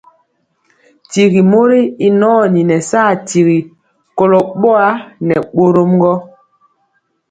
Tyigi mori y nɔni nɛ saa tiri kolo boa nɛ bórɔm gɔ.